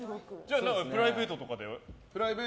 プライベートとかで？